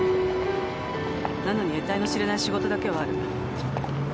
なのにえたいの知れない仕事だけはある。